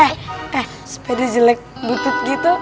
eh sepeda jelek butut gitu